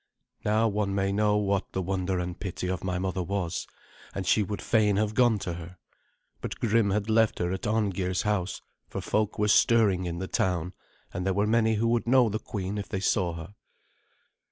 Now one may know what the wonder and pity of my mother was, and she would fain have gone to her. But Grim had left her at Arngeir's house, for folk were stirring in the town, and there were many who would know the queen if they saw her.